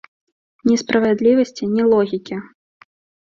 Ні справядлівасці, ні логікі.